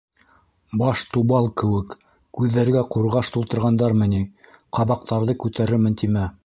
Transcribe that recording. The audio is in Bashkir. Баш тубал кеүек, күҙҙәргә ҡурғаш тултырғандармы ни - ҡабаҡтарҙы күтәрермен тимә.